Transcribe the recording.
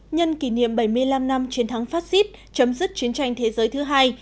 nhân kỷ niệm bảy mươi năm năm chiến thắng phát xít chấm dứt chiến tranh thế giới thứ hai